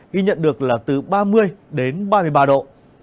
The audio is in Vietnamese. ghi nhận được là từ ba mươi đến ba mươi ba độ